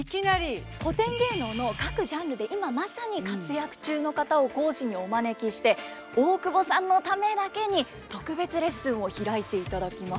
古典芸能の各ジャンルで今まさに活躍中の方を講師にお招きして大久保さんのためだけに特別レッスンを開いていただきます。